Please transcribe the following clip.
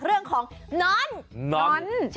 เรื่องของน้อนน